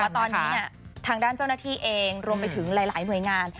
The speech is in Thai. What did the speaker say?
คือต้องบอกว่าตอนนี้เนี่ยทางด้านเจ้าหน้าที่เองรวมไปถึงหลายหมวยงาน